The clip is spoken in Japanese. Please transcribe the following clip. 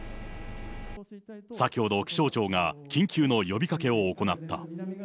先ほど、気象庁が緊急の呼びかけを行った。